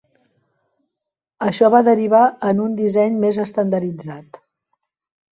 Això va derivar en un disseny més estandarditzat.